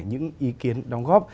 những ý kiến đóng góp